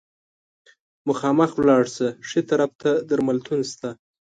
مخامخ ولاړ شه، ښي طرف ته درملتون شته.